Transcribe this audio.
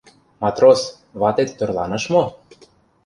Матрос, ватет тӧрланыш мо?